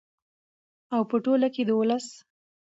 او په ټوله کې د ولس